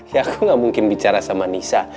ya kamu gak mungkin bicara sama nisa